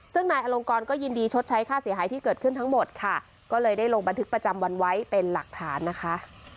ซึ่งนายอลงกรก็ยินดีชดใช้ค่าเสียหายที่เกิดขึ้นทั้งหมดค่ะก็เลยได้ลงบันทึกประจำวันไว้เป็นหลักฐานนะคะ